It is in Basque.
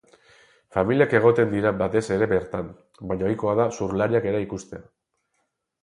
Familiak egoten dira batez ere bertan, baina ohikoa da surflariak ere ikustea.